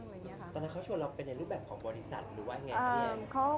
ตอนนั้นเขาชวนเราไปในรูปแบบของบริษัทหรือว่ายังไง